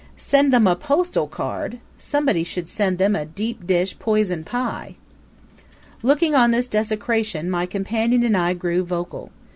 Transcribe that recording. Send them a postal card? Somebody should send them a deep dish poison pie! Looking on this desecration my companion and I grew vocal.